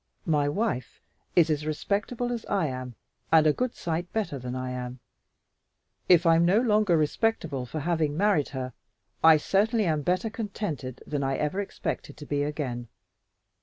My wife is as respectable as I am and a good sight better than I am. If I'm no longer respectable for having married her, I certainly am better contented than I ever expected to be again.